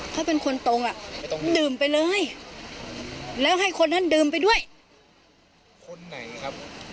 หมายถึงพ่อแม่น้องจะพูดใช่ไหมครับ